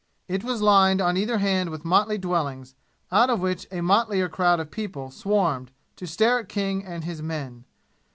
It was lined on either hand with motley dwellings, out of which a motlier crowd of people swarmed to stare at King and his men.